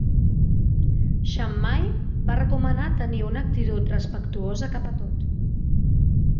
Xammai va recomanar tenir una actitud respectuosa cap a tot.